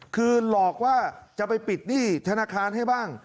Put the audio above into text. คือหลอกว่าจะไปปิดหนี้ธนาคารให้บ้าง